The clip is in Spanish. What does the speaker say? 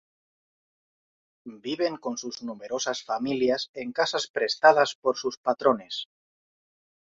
Viven con sus numerosas familias en casas prestadas por sus patrones.